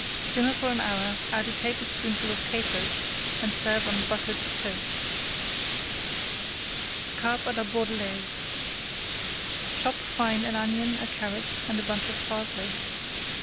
Simmer for an hour, add a tablespoonful of capers, and serve on buttered toast. CARP À LA BORDELAISE Chop fine an onion, a carrot, and a bunch of parsley.